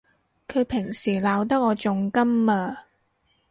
佢平時鬧得我仲甘啊！